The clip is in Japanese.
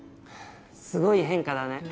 すごい変化だね。